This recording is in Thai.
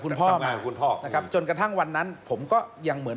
พ่อมากับคุณพ่อนะครับจนกระทั่งวันนั้นผมก็ยังเหมือน